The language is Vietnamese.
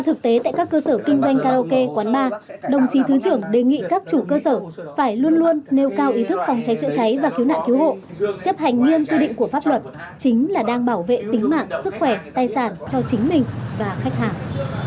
thực tế tại các cơ sở kinh doanh karaoke quán bar đồng chí thứ trưởng đề nghị các chủ cơ sở phải luôn luôn nêu cao ý thức phòng cháy chữa cháy và cứu nạn cứu hộ chấp hành nghiêm quy định của pháp luật chính là đang bảo vệ tính mạng sức khỏe tài sản cho chính mình và khách hàng